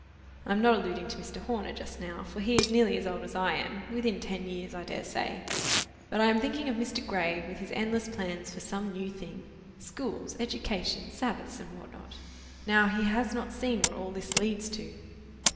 I am not alluding to Mr. Horner just now, for he is nearly as old as I am—within ten years, I dare say—but I am thinking of Mr. Gray, with his endless plans for some new thing—schools, education, Sabbaths, and what not. Now he has not seen what all this leads to."